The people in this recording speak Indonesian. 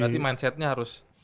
berarti mindsetnya harus